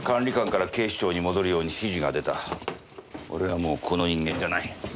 俺はもうここの人間じゃない。